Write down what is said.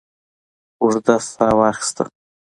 اوږده ساه واخسته.